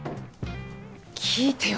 聞いてよ